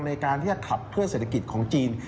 ในการที่จะขับเคลื่อเศรษฐกิจของจีน